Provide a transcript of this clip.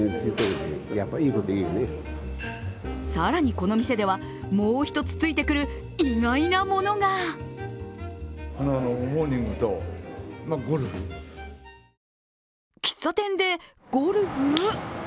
更に、この店ではもう１つついてくる、意外なものが喫茶店でゴルフ？